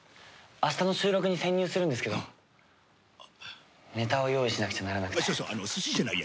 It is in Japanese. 明日の収録に潜入するんですけどネタを用意しなくちゃならなくて。